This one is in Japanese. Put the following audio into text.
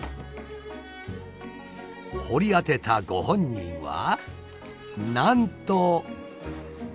掘り当てたご本人はなんと。